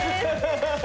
ハハハハ！